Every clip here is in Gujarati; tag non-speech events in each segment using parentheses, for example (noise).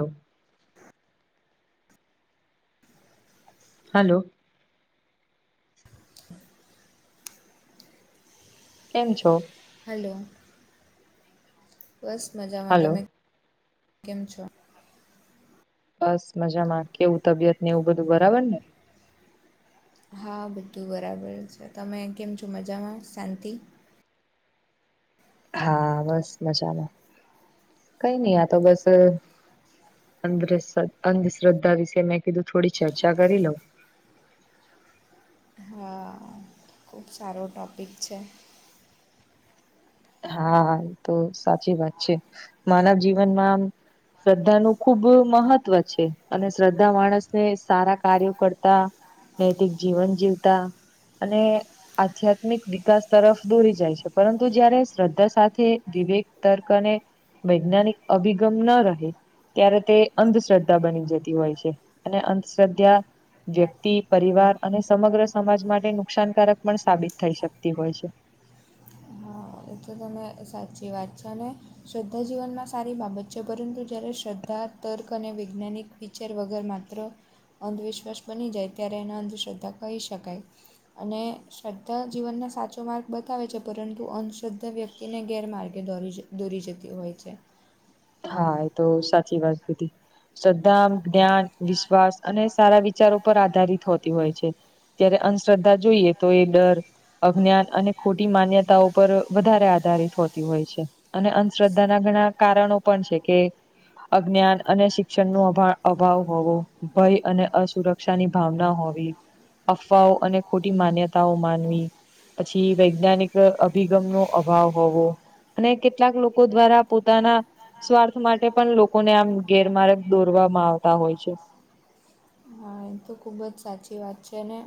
હ હલો (inaudible) કેમ છો હલો બસ મજામાં હલો તમે કેમ છો બસ મજામાં કેવું તબિયત ને એવું બધું બરાબર ને હા બધું બરાબર છે તમે કેમ છો મજામાં શાંતિ હા બસ મજામાં કઈ નઈ આ તો બસ અંધ અંધશ્રદ્ધા વિશે મેં કીધું થોડી ચર્ચા કરી લઉ હા ખૂબ સારો ટૉપિક છે હા એ તો સાચી વાત છે માનવ જીવનમાં શ્રદ્ધા નું ખુબ મહત્વ છે અને શ્રદ્ધા માણસને સારા કાર્યો કરતા નૈતિક જીવન જીવતા અને આધ્યાત્મિક વિકાસ તરફ દોરી જાય છે પરંતુ જયારે શ્રદ્ધા સાથે વિવેક તર્ક અને વૈજ્ઞાનિક અભિગમ ન રહે ત્યારે તે અંધશ્રદ્ધા બની જતી હોય છે અને અંધશ્રદ્ધા વ્યક્તિ પરિવાર અને સમગ્ર સમાજ માટે નુકસાનકારક પણ સાબિત થઈ શકતી હોય છે હા એ તો તમે સાચી વાત છે ને શ્રદ્ધા જીવનમાં સારી બાબત છે પરંતુ જ્યારે શ્રદ્ધા તર્ક અને વૈજ્ઞાનિક ચેર વગર માત્ર અંધવિશ્વાસ બની જાય ત્યારે એના અંધશ્રદ્ધા કહી શકાય અને શ્રદ્ધા જીવનને સાચો માર્ગ બતાવે છે પરંતુ અંધશ્રદ્ધા બધા વ્યક્તિને ગેરમાર્ગે દોરી દોરી જતી હોય છે હા એ તો સાચી વાત કીધી શદ્ધાા જ્ઞાન વિશ્વાસ અને સારા વિચારો પર આધારિત હોતી હોય છે ત્યારે અંધશ્રદ્ધા જોઈએ તો એ ડર અજ્ઞાન અને ખોટી માન્યતા ઉપર વધારે આધારિત હોતી હોય છે અને અંધશ્રદ્ધા ના ઘણા કારણો પણ છે કે અજ્ઞાન અને શિક્ષણ ન અભાવ હોવો ભય અને અસુરક્ષ ક્ષાની ભાવના હોવી અફવાઓ અને ખોટી માન્યતાઓ માનવી પછી વૈજ્ઞાનિક અભિગમ નો અભાવ હોવો અને કેટલાક લોકો દ્વારા પોતાના સ્વાર્થ માટે પણ લોકોને આમ ગેરમાર્ગ દોરવામાં આવતા હોય છે હા તો ખૂબ જ સાચી વાત છે અને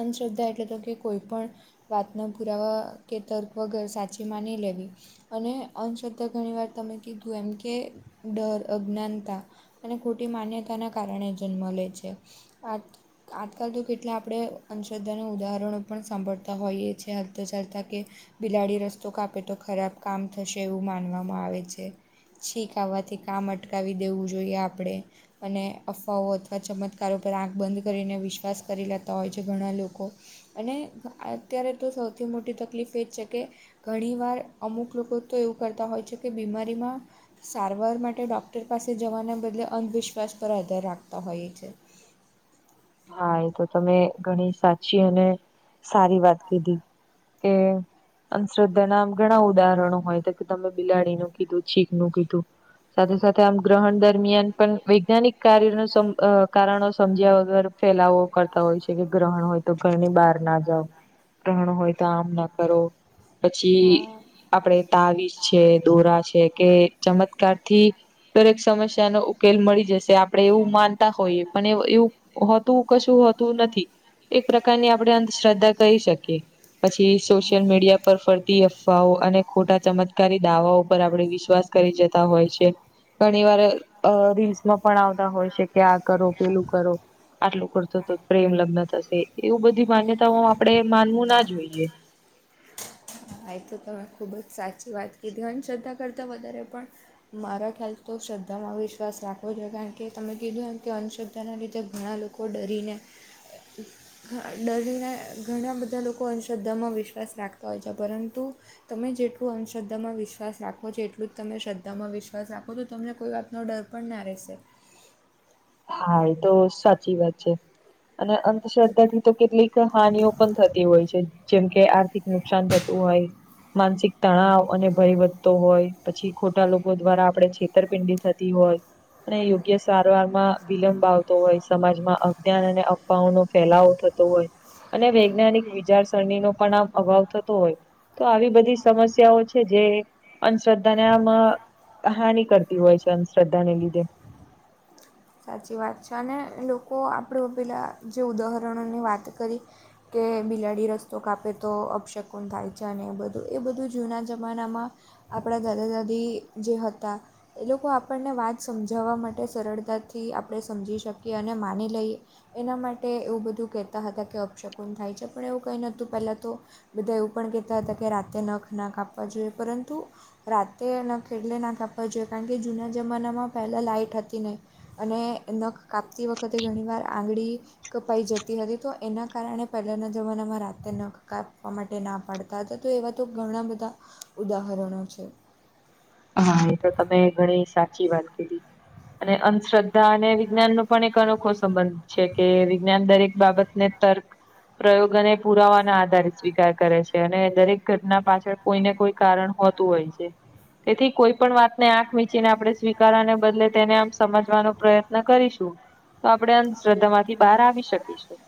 અંધશ્રદ્ધા એટલે તો કે કોઈ પણ વાતના પુરાવા કે તર્ક વગર સાચી માની લેવી અને અંધંશદ્ધા ઘણીવાર તમે કીધું એમ કે ડર અજ્ઞાનતા અને ખોટી માન્યતાના કારણે જન્મ લે છે આ આજકાલ તો કેટલા આપણે અંધશ્રદ્ધાના ઉદાહરણો પણ સાંભળતા હોઈએ છીએ હાલતા ચાલતાં કે બિલાડી રસ્તો કાપે તો ખરાબ કામ થશે એવું માનવામાં આવે છે. છીક આવવાથી કામ અટકાવી દેવું જોઈએ આપણે અને અફવાઓ અથવા ચમત્કાર વિસ્તારો પર આંખ બંધ કરીને વિશ્વાસ કરી લેતા હોય છે ઘણા લોકો. અને અત્યારે તો સૌથી મોટી તકલીફ એ જ છે કે ઘણી વાર અમુક લોકો તો એવું કરતા હોય છે કે બીમારીમાં સારવાર માટે ડોક્ટર પાસે જવાના બદલે અંધવિશ્વાસ પર આધાર રાખતા હોઈએ છે. હા એ તો તમે ઘણી સાચી અને સારી વાત કીધી કે અંધશ્રદ્ધા ના આમ ઘણા ઉદાહરણો હોય તો કે તમે બિલાડીનું કીધું છીક નું કીધું સાથે સાથે આમ ગ્રહણ દરમિયાન પણ વૈજ્ઞાનિક કાર્ય નો સમ અ કારણો સમજ્યા વગર ફેલાવો કરતા હોય છે કે ગ્રહણ હોય તો ઘરની બહાર ના જાવ. ગ્રહણ હોય તો આમ ના કરો, પછી હા આપડે તાવીશ છે, દોરા છે, કે ચમત્કાર થી દરેક સમસ્યાનો ઉકેલ મળી જશે આપડે એવું માનતા હોઈએ પણ એવું એવું હોતું કશું હોતું નથી એક પ્રકારની આપડે અંધશ્રદ્ધા કહી શકીએ. પછી સોશિયલ હા મીડિયા પર ફરતી અફવાઓ અને ખોટા ચમત્કારી દાવાઓ પર આપડે વિશ્વાસ કરી જતા હોય છે. ઘણી વાર અ રીલ્સમાં પણ આવતા હોય છે કે આ કરો પેલું કરો આટલું કરશો તો પ્રેમ લગ્ન થશે એવું બધી માન્યતાઓમાં આપડે માનવું ના જોઈએ. હા એ તો તમે ખૂબ જ સાચી વાત કીધી, અંધશ્રદ્ધા કરતાં વધારે પણ મારા ખ્યાલથી તો શ્રદ્ધામાં વિશ્વાસ રાખવો જોઈએ કારણ કે તમે કીધું એમ કે અંધ્રદ્ધાના લીધે ઘણા લોકો ડરીને ડરીને ઘણા બધા લોકો અંધશ્રદ્ધામાં વિશ્વાસ રાખતા હોય છે. પરંતુ તમે જેટલું અંધશ્રદ્ધામાં વિશ્વાસ રાખો છો એટલું જ તમે શ્રદ્ધામાં વિશ્વાસ રાખો તો તમને કોઈ વાત નો ડર પણ ના રહેશે. હા એ તો સાચી વાત છે. અને અંધશ્રદ્ધાથી તો કેટલીક હાનિઓ પણ થતી હોય છે. જેમ કે આર્થિક નુકસાન થતું હોય માનસિક તણાવ અને ભય વધતો હોય પછી ખોટા લોકો દ્વારા આપડે છેતરપિંડી થતી હોય અને યોગ્ય સારવારમાં વિલંબ આવતો હોય સમાજમાં અજ્ઞાન અને અફવાઓ નો ફેલાવો થતો હોય અને વૈજ્ઞાનિક વિચારસરણી નો પણ આમ અભાવ થતો હોય તો આવી બધી સમસ્યાઓ છે જે અંધંશ્રદ્ધાને આમ હાની કરતી હોય છે અંધશ્રદ્ધા ને લીધે. સાચી વાત છે અને લોકો આપડે પેલા જે ઉદાહરણોની વાત કરી કે બિલાડી રસ્તો કાપે તો અપશકુન થાય છે અને એ બધું એ બધું જૂના જમાનામાં આપડા દાદા દાદી જે હતા એ લોકો આપણને વાત સમજાવવા માટે સરળતાથી આપડે સમજી શકીએ અને માની લઈએ એના માટે એવું બધું કહેતા હતા કે અપશકુન થાય છે પણ એવું કઈ નતું પહેલાં તો બધા એવું પણ કેહતા હતા કે રાતે નખ ના કાપવા જોઈએ પરંતુ રાતે નખ એટલે ના કાપવા જોઈએ કારણ કે જૂના જમાનામાં પહેલાં લાઈટ હતી નહીં અને નખ કાપતી વખતે ઘણીવાર આંગળી કપાઈ જતી હતી તો એના કારણે પહેલાંના જમાનામાં રાતેે નખ કાપવા માટે ના પાડ તા હતા તો એવા તો ઘણા બધા ઉદાહરણો છે. હા એ તો તમે ઘણી સાચી વાત કીધી. અને અંધશ્રદ્ધા અને વિજ્ઞાનનો પણ એક અનોખો સંબંધ છે કે વિજ્ઞાન દરેક બાબત ને તર્ક, પ્રયોગ અને પુરાવાના આધારે સ્વીકાર કરે છે અને દરેક ઘટના પાછ પણ કોઈ ને કોઈ કારણ હોતું હોય છે, તેથી કોઈ પણ વાતને આંખ વીચીને આપડે સ્વીકારવાને બદલે તેને આમ સમજવાનો પ્રયત્ન કરીશું. તો આપડે અંધશ્રદ્ધા માંથી બહાર આવી શકીશું.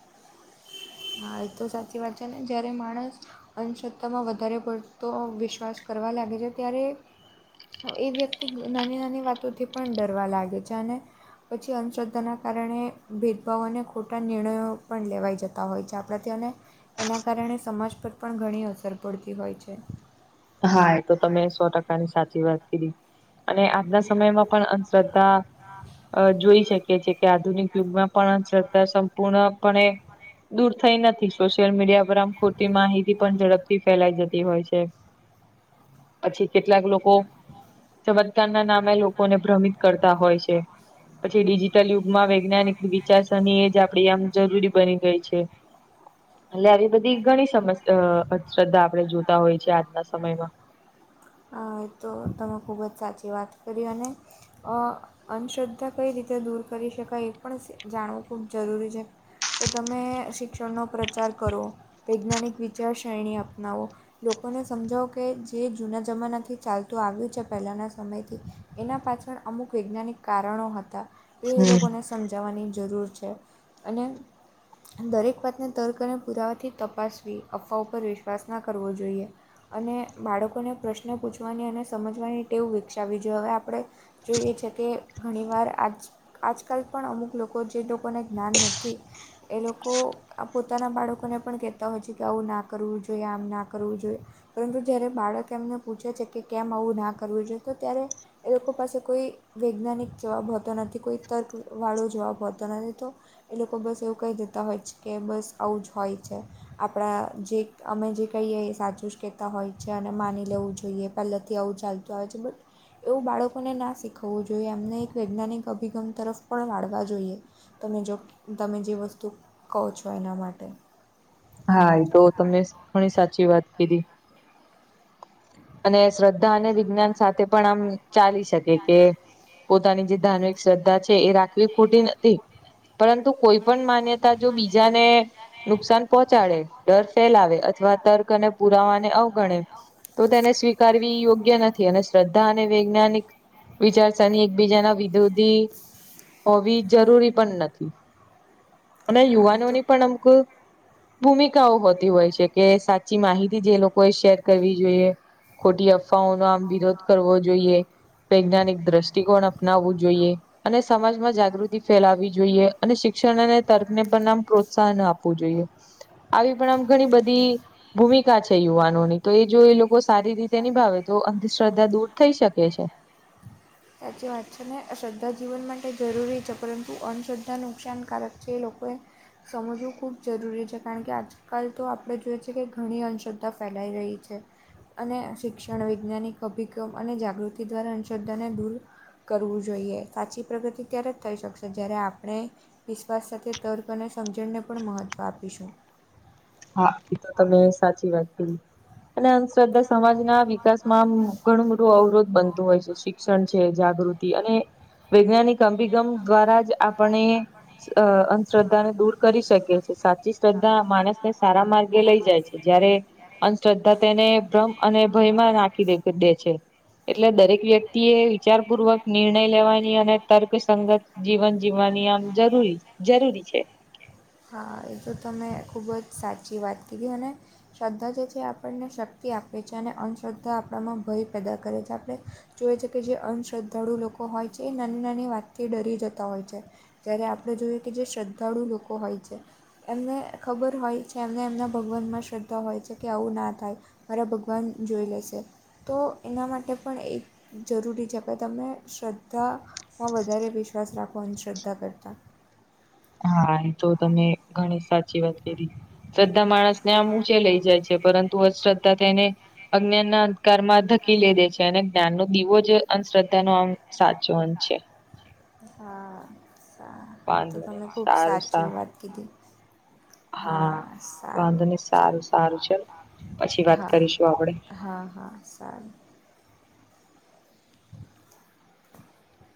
હા એ તો સાચી વાત છે ને જયારે માણસ અંનશ્રદ્ધામાં વધારે પડતો વિશ્વાસ કરવા લાગે છે, ત્યારે એ વ્યક્તિ નાની નાની વાતોથી પણ ડરવા લાગે છે અને પછી અંધશ્રદ્ધાના કારણે ભેદભાવ અને ખોટા નિર્ણયો પણ લેવાઈ જતા હોય છે આપડાથી અને એના કારણે સમાજ પર પણ ઘણી અસર પડતી હોય છે. હા એ તો તમે સો ટકાની સાચી વાત કીધી. અને આજના સમયમાં પણ અંધશ્રદ્ધા અ જોઈ શે કે છે કે આધુનિક યુગમાં પણ શ્રદ્ધા સંપૂર્ણપણે દૂર થઈ નથી, સોશિયલ મીડિયા પર આમ ખોટી માહિતી પણ ઝડપથી ફેલાઈ જતી હોય છે. પછી કેટલાક લોકો ચમત્ કાર નામે લોકોને ભ્રમિત કરતા હોય છે પછી ડિજિટલ યુગમાં વૈ જ્ઞાનિકની વિચારસરણી એ જ આપડી આમ જરૂરી બની ગઈ છે. એટલે આવી બધી ઘણી સમસઅ શ્રદ્ધા આપણે જોતા હોય છે આજના સમયમાં. હા તો તમે ખૂબ જ સાચી વાત કરી અને અં અધંધશ્રદ્ધા કઈ રીતે દૂર કરી શકાય એ પણ જાણવું ખૂબ જરૂરી છે. કે તમે શિક્ષણનો પ્રચાર કરો. વૈજ્ઞાનિક વિચાર શરણી અપનાવો લોકોને સમજાવો કે જે જૂના જમાનાથી ચાલતું આવ્યું છે પહેલાંના સમયથી એના પાછળ અમુક વૈજ્ઞાનિ કારણો હતા એ એ હમ લોકોને સમજાવવાની જરૂર છે અને દરેક વાતને તર્ક અને પુરાવાથી તપાસવી અફવા ઉપર વિશ્વાસ ના કરવો જોઈએ. અને બાળકોને પ્રશ્ન પૂછવાની અને સમજવાની ટેવ વિકસાવી જોઈએ હવે આપણે જોઈએ છે કે ઘણી વાર આજ આજકાલ પણ અમુક લોકો જે લોકોને જ્ઞાન નથી એ લોકો આ પોતાના બાળકોને પણ કહેતા હોય છે કે આવું ના કરવું જોઈએ, આમ ના કરવું જોઈએ. પરંતુ જ્યારે બાળક એમને પૂછે છે કે કેમ આવું ના કરવું જોઈએ તો ત્યારે એ લોકો પાસે કોઈ વૈજ્ઞાનિક જવાબ હોતો નથી કોઈ તર્ક વાળો જવાબ હોતો નથી તો એ લોકો બસ એવું કહી દેતા હોય કે બસ આવું જ હોય છે. આપણા જે અમે જે કહીએ એ સાચું જ કહેતા હોય છે અને માની લેવું જોઈએ પહેલાથી આવું ચાલતું આવે છે બટ એવું બાળકોને ના શીખવવું જોઈએ એમને એક વૈજ્ઞાનિક અભિગમ તરફ પણ વાડવા જોઈએ. તમે જો તમે જે વસ્તુ કહો છો એના માટે. હા એ તો તમે ઘણી સાચી વાત કીધી. અને શ્રદ્ધા અને વિજ્ઞાન સાથે પણ આમ ચાલી શકે કે પોતાની જે ધાર્મિક શ્રદ્ધા છે એ રાખવી ખોટી નથી પરંતુ કોઈ પણ માન્યતા જો બીજાને નુકસાન ચાડે ડર ફેલાવે અથવા તર્ક અને પુરાવાને અવગણે તો તેને સ્વીકારવી યોગ્ય નથી અને શ્રદ્ધા અને વૈજ્ઞાનિક વિચારસરની એકબીજાના વિરોધી હોવી જરૂરી પણ નથી અને હા એ તો યુવાનોની પણ અમુક ભૂમિકાઓ હોતી હોય છે કે સાચી માહિતી જે લોકોએ શેર કરવી જોઈએ. ખોટી અફવાઓનો આમ વિરોધ કરવો જોઈએ. વૈજ્ઞાનિક દ્રષ્ટિકોણ અપનાવવું જોઈએ. અને સમાજમાં જાગૃતિ ફેલાવી જોઈએ અને શિક્ષણ અને તર્કને પણ આમ પ્રોત્સાહન આપવું જોઈએ. આવી પણ આમ ઘણી બધી ભૂમિકા છે યુવાનોની તો એ જો એ લોકો સારી રીતે નિભાવે તો અંધશ્રદ્ધા દૂર થઈ શકે છે. સાચી વાત છે ને શ્રદ્ધા જીવન માટે જરૂરી છે પરંતુ અંધશ્રદ્ધા નુકસાનકારક છે એ લોકોએ સમજવું ખૂબ જરૂરી છે કારણ કે આજ કાલ તો આપડે જોઈએ છે કે ઘણી અશ્રદ્ધા ફેલાઈ રહી છે. અને શિક્ષણ વૈજ્ઞાનિક અભિગમ અને જાગૃતિ દ્વારા અંધશ્રદ્ધાને દૂર કરવું જોઈએ સાચી પ્રગતિ ત્યારે જ થઈ શકશે જ્યારે આપણે વિશ્વાસ સાથે તર્ક અને સમજણને પણ મહત્ત્વ આપીશું. હા એ તો તમે સાચી વાત કરી. અને અંધશ્રદ્ધા સમાજ ના વિકાસમાં ઘણું મોટું અવરોધ બનતું હોય છે સી ક્ષણ છે જાગૃતિ અને વૈજ્ઞાનિક અભિગમ દ્વારા જ આપણે અ અંધશ્રદ્ધાને દૂર કરી શકીએ છે સાચી શ્રદ્ધા માણસ ને સારા માર્ગે લઈ જાય છે જયારે અંધશ્રદ્ધા તેને ભ્રમ અને ભયમાં નાખી દેક દે છે એટલે દરેક વ્યક્તિ એ વિચાર પૂર્વક નિર્ણય લેવાની અને તર્કસંગત જીવન જીવવાની આમ જરૂરી જરૂરી છે. હા એ તો તમે ખૂબ જ સાચી વાત કીધી અને. શ્રદ્ધા જે છે આપણને શક્તિ આપે છે અને અંધશ્રદ્ધા આપણામાં ભય પેદા કરે છે આપણે. જોએ છે કે જે અંધશ્રદ્ધાળુ લોકો હોય છે એ નાની નાની વાતથી ડરી જતા હોય છે. જ્યારે આપણે જોઈ કે જે શ્રદ્ધાળુ લોકો હોય છે. એમને ખબર હોય છે એમને એમના ભગવાનમાં શ્રદ્ધા હોય છે કે આવું ના થાય. મારા ભગવાન જોઈ લેશે. તો એના માટે પણ એ જરૂરી છે કે તમે શ્રદ્ધા. હ વધારે વિશ્વાસ રાખવાની શ્રદ્ધા કરતા. હા એ તો તમે ઘણી સાચી વાત કરી શ્રદ્ધા માણસને આમ ઊંચે લઇ જાય છે. પરંતુ અશ્રદ્ધા તેને અજ્ઞાનના અંધકારમાં ધકીલિ દે છે અને. જ્ઞાનનો દિવો જ અંધશ્રદ્ધાનો આમ સાચો અંંત છે. હા હા એ તો વાંધો નહી તમે ખૂબ સારું સાચુ સારું વાત કીધું. હા વાંધો સારું. નહી ચલ સારું સારું ચલ પછી વાત હા કરીશું આપડે. હા હા સારું. (inaudible)